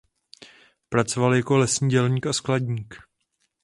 Pracoval jako lesní dělník a skladník.